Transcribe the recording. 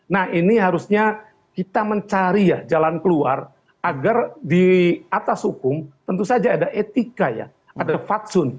nah ini harusnya kita mencari ya jalan keluar agar di atas hukum tentu saja ada etika ya ada fatsun